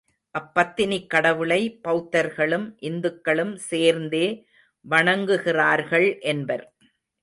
அப்பத்தினிக் கடவுளை பௌத்தர்களும் இந்துக்களும் சேர்ந்தே வணங்குகிறார்கள் என்பர்.